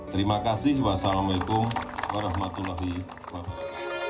terima kasih wassalamu alaikum warahmatullahi wabarakatuh